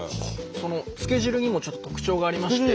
つけ汁にもちょっと特徴がありまして。